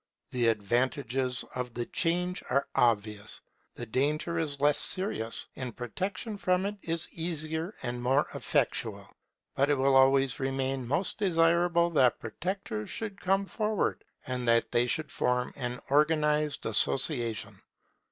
The advantages of the change are obvious: the danger is less serious, and protection from it is easier and more effectual. But it will always remain most desirable that protectors should come forward, and that they should form an organized association.